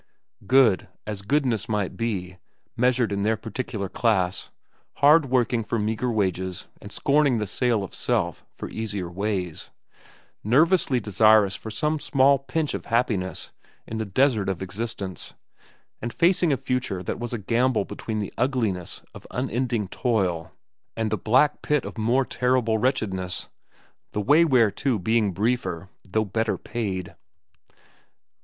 Good, as goodness might be measured in their particular class, hard working for meagre wages and scorning the sale of self for easier ways, nervously desirous for some small pinch of happiness in the desert of existence, and facing a future that was a gamble between the ugliness of unending toil and the black pit of more terrible wretchedness, the way whereto being briefer though better paid.